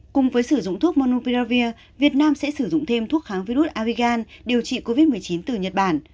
cùng với sử dụng thuốc monoviravir việt nam sẽ sử dụng thêm thuốc kháng virus arigan điều trị covid một mươi chín từ nhật bản